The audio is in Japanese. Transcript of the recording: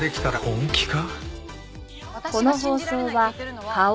本気か？